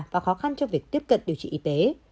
và khó khăn cho việc tiếp cận điều trị y tế